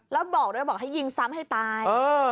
แล้วบอกด้วยบอกให้ยิงซ้ำให้ตาย